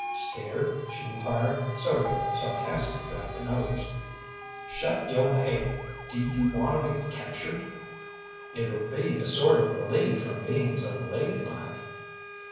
"Scared?" she inquired, sort of sarcastic about the nose. "Shut yo' haid. D'you want to be captured?" "It would be a sort of relief from being so lady like."